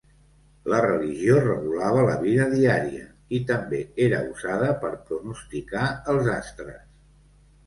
La religió regulava la vida diària i també era usada per pronosticar els astres.